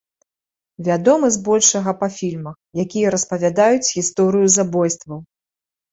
Вядомы, збольшага, па фільмах, якія распавядаюць гісторыю забойстваў.